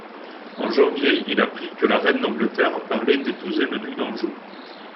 En janvier, il apprit que la reine d'Angleterre parlait d'épouser le duc d'Anjou.